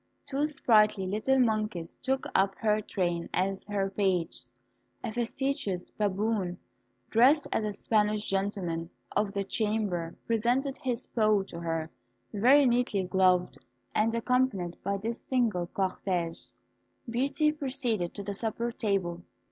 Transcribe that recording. Two sprightly little monkeys took up her train as her pages. A facetious baboon, dressed as a Spanish gentleman of the chamber, presented his paw to her, very neatly gloved, and accompanied by this singular cortège, Beauty proceeded to the supper table.